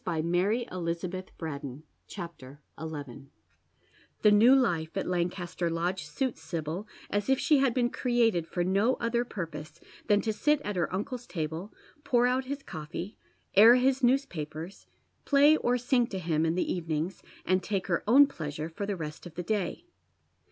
CHAPTER XL BOW STEPHEN TRENCHABD FORGIVEN The new life at Lancaster Lodge suits Sibyl as if she had been created for no other purpose than to sit at her uncle's table, pour out his coffee, air his newspapers, play or sing to him in the evenings, and take her own pleasure for the rest of the day.